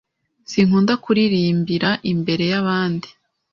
Sinkunda kuririmbira imbere yabandi.